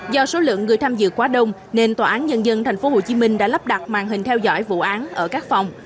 do số lượng người tham dự quá đông nên tòa án nhân dân tp hcm đã lắp đặt màn hình theo dõi vụ án ở các phòng